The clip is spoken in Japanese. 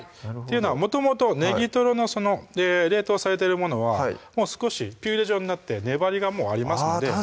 はいもともとネギトロの冷凍されてるものはもう少しピューレ状になって粘りがもうありますのであぁ